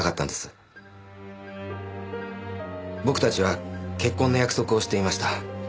僕たちは結婚の約束をしていました。